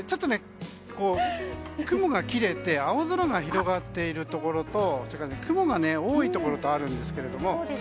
雲が切れて青空が広がっているところと雲が多いところとあるんですけど。